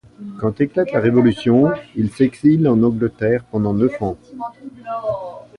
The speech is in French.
Quand éclate la Révolution, il s'exile en Angleterre pendant neuf ans.